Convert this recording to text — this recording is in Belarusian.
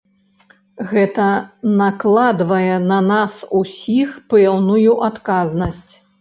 Гэта накладвае на нас усіх пэўную адказнасць.